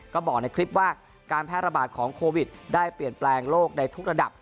ก็บอกในคลิปว่าการแพร่ระบาดของโควิดได้เปลี่ยนแปลงโลกในทุกระดับ